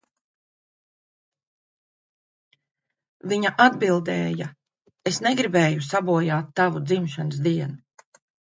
Viņa atbildēja, "Es negribēju sabojāt tavu dzimšanas dienu."